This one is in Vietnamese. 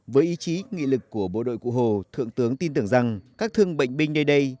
với ý chí nghị lực của bộ đội cụ hồ thượng tướng tin tưởng rằng các thương bệnh binh nơi đây